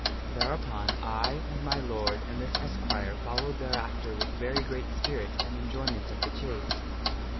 Thereupon, I and my lord and this esquire followed thereafter with very great spirit and enjoyment of the chase.